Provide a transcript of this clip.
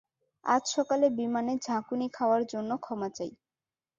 আজ সকালে বিমানে ঝাঁকুনি খাওয়ার জন্য ক্ষমা চাই।